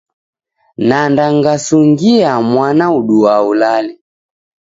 Nanda ngasungia mwana uduaa ulale.